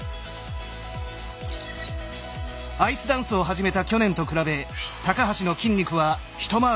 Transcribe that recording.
アイスダンスを始めた去年と比べ高橋の筋肉は一回り大きくなった。